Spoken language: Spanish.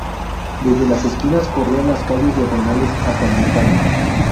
Desde las esquinas corrían las calles diagonales hasta el mercado.